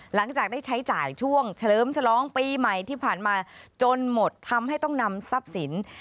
หลังจากได้ใช้จ่ายช่วงเฉลิมฉลองปีใหม่ที่ผ่านมาจนหมดทำให้ต้องนำทรัพย์สิน